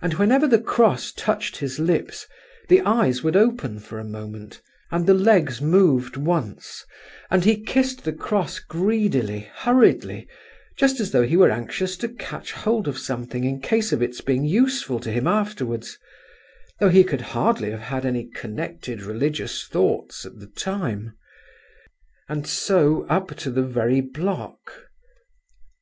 And whenever the cross touched his lips, the eyes would open for a moment, and the legs moved once, and he kissed the cross greedily, hurriedly—just as though he were anxious to catch hold of something in case of its being useful to him afterwards, though he could hardly have had any connected religious thoughts at the time. And so up to the very block.